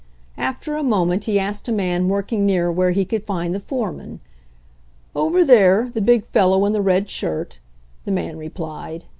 After a moment he asked a man working near where he could find the foreman. "Over there — the big fellow in the red shirt/' the man replied.